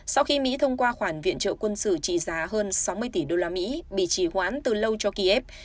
ba khoản viện trợ quân sự trị giá hơn sáu mươi tỷ usd bị trì hoãn từ lâu cho kiev